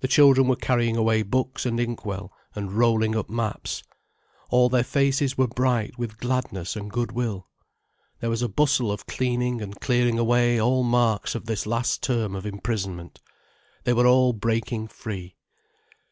The children were carrying away books and inkwell, and rolling up maps. All their faces were bright with gladness and goodwill. There was a bustle of cleaning and clearing away all marks of this last term of imprisonment. They were all breaking free.